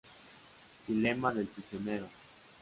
Dilema del prisionero.